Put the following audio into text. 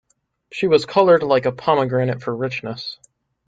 She was coloured like a pomegranate for richness.